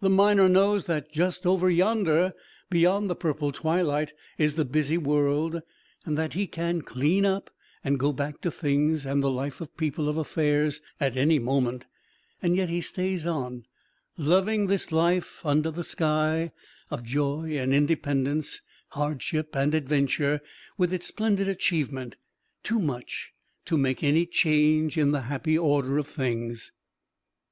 The miner knows that just "over yonder," beyond the purple twilight, is the busy world and that he can "clean up" and go back to things and the life of people of affairs at any moment. Yet he stays on, loving this life under the sky, of joy and independence, hardship and adventure, with its splendid achievement, too much to make any change in the happy order of things.